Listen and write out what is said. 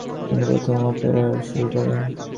তিনি প্রথম অপেরার সুর করেন।